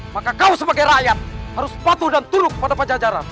maka kau sebagai rakyat harus patuh dan turuk pada pajajaran